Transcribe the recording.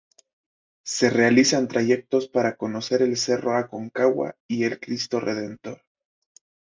Se realizan trayectos para conocer el cerro Aconcagua y el Cristo Redentor.